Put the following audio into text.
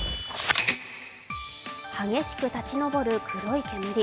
激しく立ち上る黒い煙。